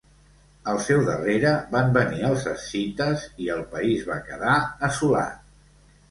Al seu darrere, van venir els escites i el país va quedar assolat.